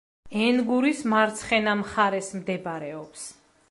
ენგურის მარცხენა მხარეს მდებარეობს.